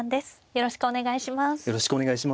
よろしくお願いします。